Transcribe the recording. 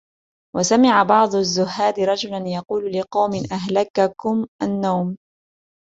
وَسَمِعَ بَعْضُ الزُّهَّادِ رَجُلًا يَقُولُ لِقَوْمٍ أَهْلَكَكُمْ النَّوْمُ